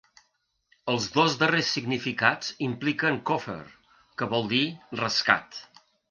Els dos darrers significats impliquen "kofer" que vol dir "rescat".